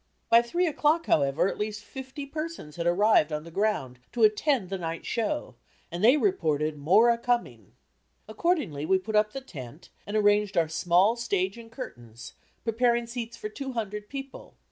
By three o'clock, however, at least fifty persons had arrived on the ground to attend the night show and they reported "more a coming." Accordingly we put up the tent and arranged our small stage and curtains, preparing seats for two hundred people.